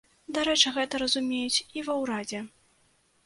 Дарэчы, гэта разумеюць і ва ўрадзе.